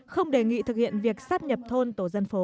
không đề nghị thực hiện việc sắp nhập thôn tổ dân phố